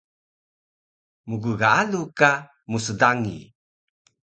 Mggaalu ka msdangi